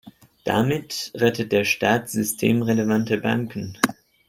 Damit rettet der Staat systemrelevante Banken.